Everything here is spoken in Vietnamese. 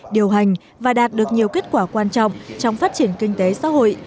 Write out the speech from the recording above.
điều hành và đạt được nhiều kết quả quan trọng trong phát triển kinh tế xã hội